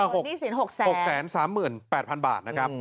หนี้สิน๖๓๘๐๐๐บาท